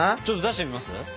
ちょっと出してみます？